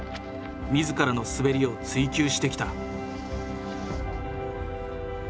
自らの滑りを追求してきた。